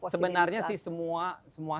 sebenarnya sih semua